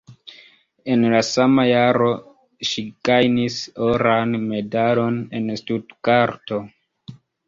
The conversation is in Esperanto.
En la sama jaro ŝi gajnis oran medalon en Stutgarto.